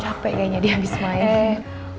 capek kayaknya dia habis main